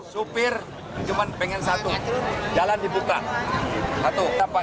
supir cuma pengen satu jalan dibuka